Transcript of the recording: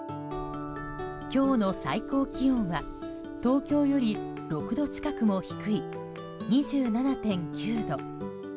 今日の最高気温は、東京より６度近くも低い２７．９度。